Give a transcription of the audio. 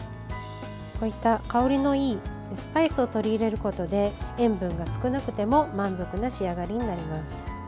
こういった香りのいいスパイスを取り入れることで塩分が少なくても満足な仕上がりになります。